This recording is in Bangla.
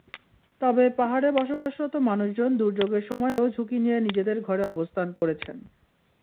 তবে পাহাড়ে বসবাসরত মানুষজন দুর্যোগের সময়ও ঝুঁকি নিয়ে নিজেদের ঘরে অবস্থান করেছেন।